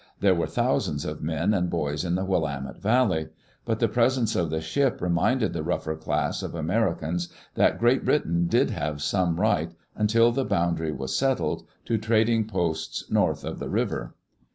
There were thousands of men and boys in the Willamette Valley. But the presence of the ship reminded the rougher class of Americans that Great Britain did have some right, until the boundary was settled, to trading posts north of the river.